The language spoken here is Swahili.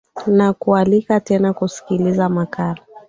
na kualika tena kusikiliza makala